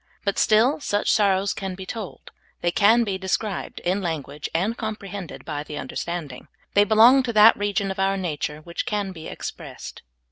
But still such sorrows can be told ; they can be described in language and comprehended by the understanding. They belong to that region of our nature which can be expressed.